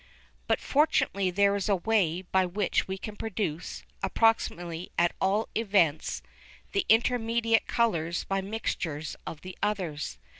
But fortunately there is a way by which we can produce, approximately at all events, the intermediate colours by mixtures of the others.